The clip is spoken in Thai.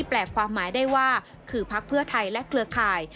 แปลกความหมายได้ว่าคือพักเพื่อไทยและเครือข่าย